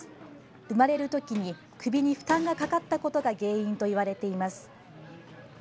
生まれる時に首に負担がかかったことが原因といわれています。